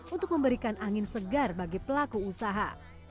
untuk memberikan angin segar bagi pelaku usaha